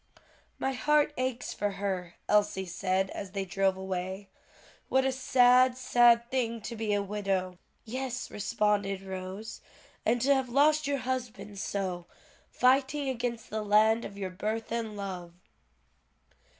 "My heart aches for her," Elsie said as they drove away, "what a sad, sad thing to be a widow!" "Yes;" responded Rose, "and to have lost your husband so, fighting against the land of your birth and love."